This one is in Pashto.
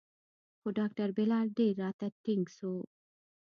خو ډاکتر بلال ډېر راته ټينګ سو.